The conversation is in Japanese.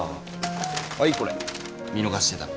はいこれ見逃してた分。